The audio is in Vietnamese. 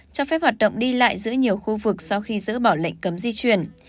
cho phép hoạt động đi lại giữa nhiều khu vực sau khi dỡ bỏ lệnh cấm di chuyển